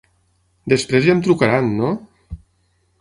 Després ja em trucaran no?